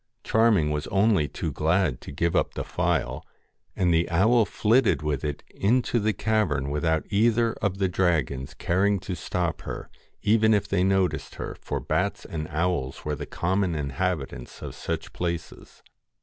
Charming was only too glad to give up the phial, and the owl flitted with it into the cavern without either of the dragons caring to stop her, even if they noticed her; for bats and owls were the common inhabitants of such places.